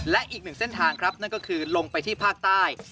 และอีกหนึ่งเส้นทางครับนั่นก็คือลงไปที่ภาคใต้